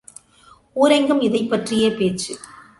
ஊரெங்கும் இதைப்பற்றியே பேச்சு.